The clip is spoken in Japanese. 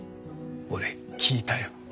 俺聞いたよ。